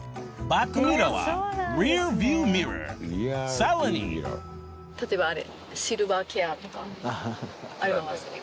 さらに例えばあれ。